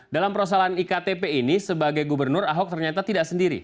dalam perusahaan iktp ini sebagai gubernur ahok ternyata tidak sendiri